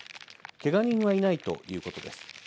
けが人はいないということです。